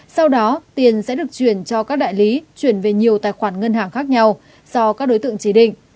sau đó tiền sẽ được chuyển cho các đại lý chuyển về nhiều tài khoản ngân hàng khác nhau do các đối tượng chỉ định